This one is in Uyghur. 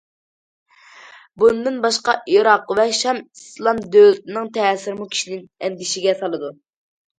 بۇندىن باشقا، ئىراق ۋە شام ئىسلام دۆلىتىنىڭ تەسىرىمۇ كىشىنى ئەندىشىگە سالىدۇ.